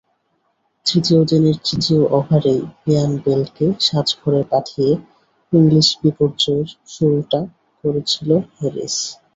তৃতীয় দিনের তৃতীয় ওভারেই ইয়ান বেলকে সাজঘরে পাঠিয়ে ইংলিশ বিপর্যয়ের শুরুটা করেছিলেন হ্যারিস।